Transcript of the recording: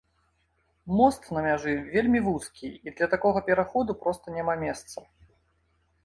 Мост на мяжы вельмі вузкі і для такога пераходу проста няма месца.